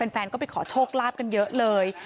แฟนก็ไปขอโชคลาภกันเยอะเลย